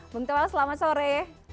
bung toel selamat sore